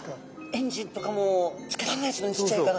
エンジンとかもつけられないですもんねちっちゃいから。